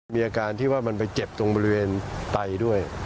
มีอาการที่ว่ามันไปเจ็บตรงบริเวณไตด้วย